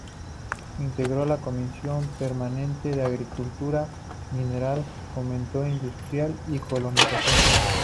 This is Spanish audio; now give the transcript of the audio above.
Integró la comisión permanente de Agricultura, Minería, Fomento Industrial y Colonización.